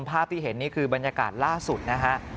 ภาพที่เห็นนี่คือบรรยากาศล่าสุดนะฮะ